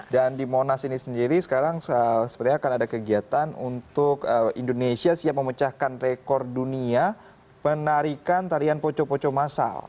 dan di monas ini sendiri sekarang sebenarnya akan ada kegiatan untuk indonesia siap memecahkan rekor dunia penarikan tarian poco poco masal